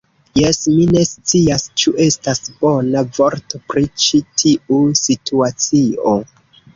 Jes, mi ne scias, ĉu estas bona vorto pri ĉi tiu situacio.